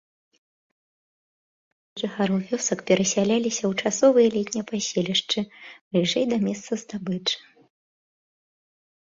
Улетку большасць жыхароў вёсак перасяляліся ў часовыя летнія паселішчы бліжэй да месцаў здабычы.